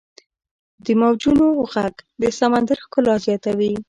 • د موجونو ږغ د سمندر ښکلا زیاتوي.